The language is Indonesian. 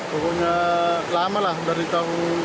pokoknya lama lah dari tahun